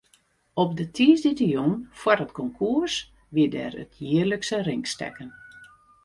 Op de tiisdeitejûn foar it konkoers wie der it jierlikse ringstekken.